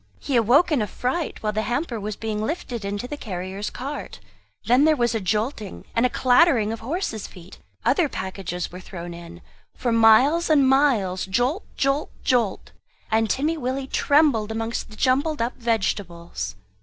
He awoke in a fright, while the hamper was being lifted into the carrier's cart. Then there was a jolting, and a clattering of horse's feet; other packages were thrown in; for miles and miles jolt jolt jolt! and Timmy Willie trembled amongst the jumbled up vegetables.